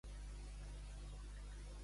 Ser un alarb.